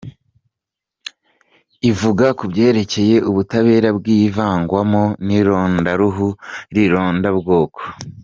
Ivuga ku byerekeye ubutabera bwivangwamo n’irondaruhu n’irondabwoko.